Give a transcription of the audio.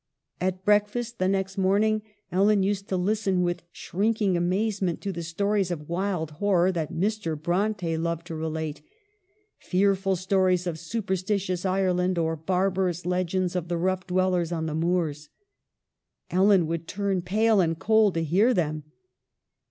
At breakfast the next morning Ellen used to listen with shrinking amazement to the stories of wild horror that Mr. Bronte loved to relate, fearful stories of superstitious Ireland, or bar barous legends of the rough dwellers on the moors ; Ellen would turn pale and cold to hear them.